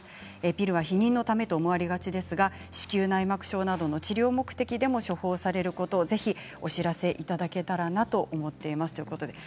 ピルは避妊のためと思われそうですが治療目的でも処方されることをぜひお知らせいただけたらなと思っています、ということです。